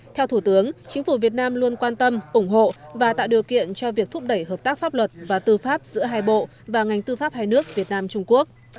theo thủ tướng chính phủ việt nam luôn quan tâm ủng hộ và tạo điều kiện cho việc thúc đẩy hợp tác pháp luật và tư pháp giữa hai bộ và ngành tư pháp hai nước việt nam trung quốc